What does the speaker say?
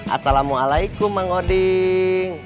assalamualaikum mang odin